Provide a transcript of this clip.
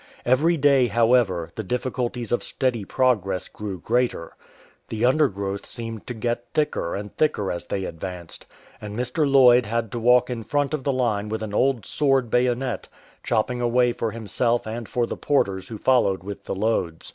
Every day, however, the difficulties of steady progress grew greater. The undergrowth seemed to get thicker and thicker as they advanced, and Mr. Lloyd had to walk in front of the line with an old sword bayonet, chopping a way for himself and for the porters who followed with the loads.